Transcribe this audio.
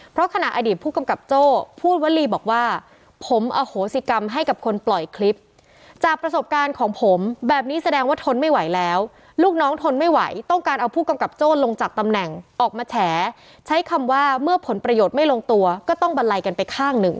เพราะขณะอดีตผู้กำกับโจ้พูดวลีบอกว่าผมอโหสิกรรมให้กับคนปล่อยคลิปจากประสบการณ์ของผมแบบนี้แสดงว่าทนไม่ไหวแล้วลูกน้องทนไม่ไหวต้องการเอาผู้กำกับโจ้ลงจากตำแหน่งออกมาแฉใช้คำว่าเมื่อผลประโยชน์ไม่ลงตัวก็ต้องบันไลกันไปข้างหนึ่ง